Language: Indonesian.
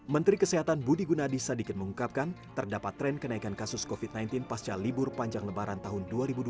menteri kesehatan budi gunadi sadikin mengungkapkan terdapat tren kenaikan kasus covid sembilan belas pasca libur panjang lebaran tahun dua ribu dua puluh